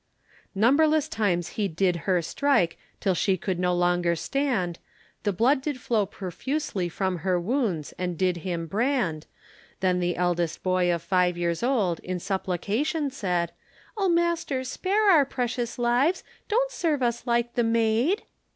Numberless times he did her strike till she could no longer stand, The blood did flow profusely from her wounds, and did him brand, Then the eldest boy of five years old, in supplication said, "Oh master, spare our precious lives, don't serve us like the maid."